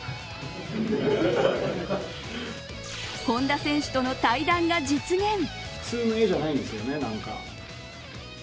本田選手との対談が実現。